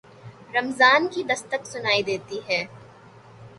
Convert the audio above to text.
رمضان کی دستک سنائی دیتی ہے۔